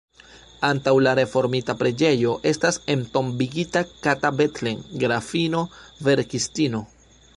Antaŭ la reformita preĝejo estas entombigita Kata Bethlen, grafino, verkistino.